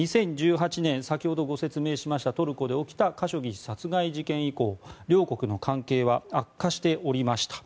２０１８年、先ほど説明しましたトルコで起きたカショギ氏殺害事件以降両国の関係は悪化しておりました。